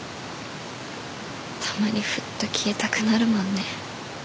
たまにふっと消えたくなるもんね。